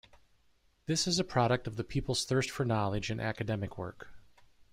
This is a product of the people's thirst for knowledge and academic work.